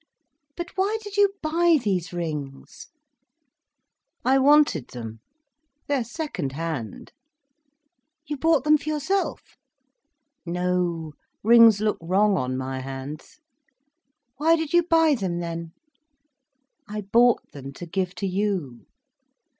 But why did you buy these rings?" "I wanted them. They are second hand." "You bought them for yourself?" "No. Rings look wrong on my hands." "Why did you buy them then?" "I bought them to give to you."